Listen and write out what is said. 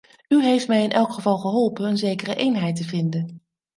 U heeft mij in elk geval geholpen een zekere eenheid te vinden.